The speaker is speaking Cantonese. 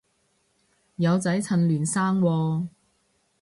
有仔趁嫩生喎